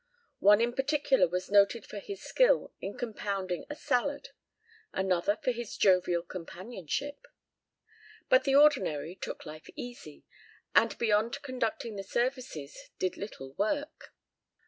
One in particular was noted for his skill in compounding a salad, another for his jovial companionship. But the ordinary took life easy, and beyond conducting the services, did little work.